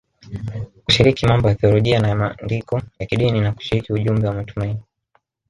kushiriki mambo ya thiolojia na ya maandiko ya kidini na kushiriki ujumbe wa matumaini.